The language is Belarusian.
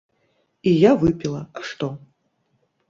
І я выпіла, а што?